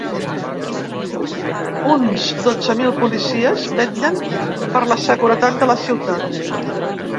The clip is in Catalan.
Uns dotze mil policies vetllen per la seguretat de la ciutat.